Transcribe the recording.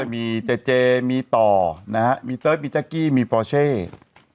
มีเจ๊มีต่อนะฮะมีเต๊ะมีจ๊ะกี้มีปอร์เช่นะครับ